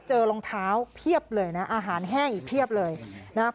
รองเท้าเพียบเลยนะอาหารแห้งอีกเพียบเลยนะครับ